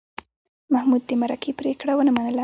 محمود د مرکې پرېکړه ونه منله.